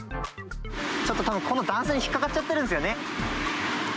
ちょっと多分、この段差に引っかかっちゃってるんですよね。